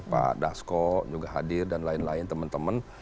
pak dasko juga hadir dan lain lain temen temen